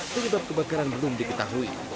kelebab kebakaran belum diketahui